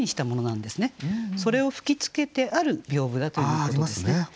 それを吹きつけてある屏風だということですね。